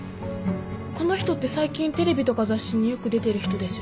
この人って最近テレビとか雑誌によく出てる人ですよね？